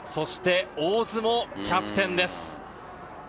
大津もキャプテンです。